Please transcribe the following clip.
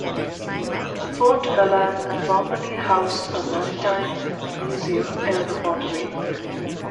Fort Belan formerly housed a maritime museum and a pottery.